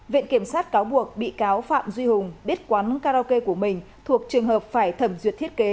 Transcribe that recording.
viện kiểm sát cáo buộc bị cáo phạm duy hùng biết quán karaoke của mình thuộc trường hợp phải thẩm duyệt thiết kế